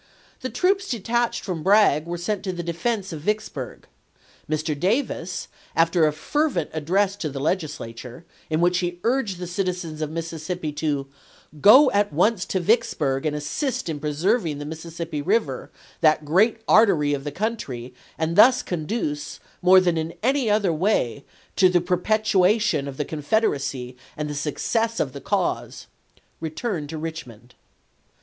The troops detached from Bragg were sent to the defense of Vicksburg. Mr. Davis, after a fervent address to the Legislature, in which he urged the citizens of Mississippi to "go at once to Vicksburg and assist in preserving the Mississippi River, that great artery of the country, and thus conduce, more than in any other way, to the perpetuation of the Confederacy and the success of the cause," returned to Richmond.